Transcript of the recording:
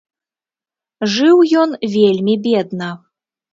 Жыў ён вельмі бедна.